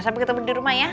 sampai ketemu di rumah ya